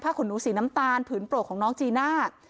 ขนหนูสีน้ำตาลผืนโปรกของน้องจีน่า